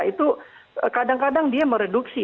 itu kadang kadang dia mereduksi